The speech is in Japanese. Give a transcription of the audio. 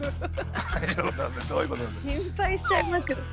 心配しちゃいますけど。